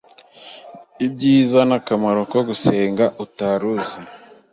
ibyiza n’akamaro ko gusenga utari uzi